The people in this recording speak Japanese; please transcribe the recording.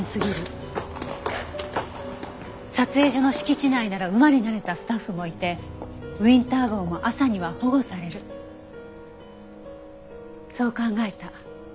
撮影所の敷地内なら馬に慣れたスタッフもいてウィンター号も朝には保護されるそう考えた。